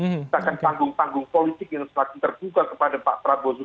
mungkin tanggung tanggung politik yang selagi terbuka kepada pak prabowo